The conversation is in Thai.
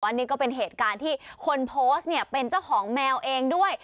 อันนี้ก็เป็นเหตุการณ์ที่คนโพสต์เนี่ยเป็นเจ้าของแมวเองด้วย